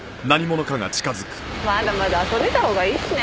まだまだ遊んでた方がいいしね。